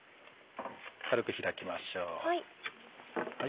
軽く開きましょう。